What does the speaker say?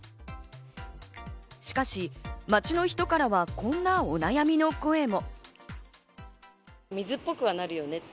しかし、街の人からはこんなお悩みの声も。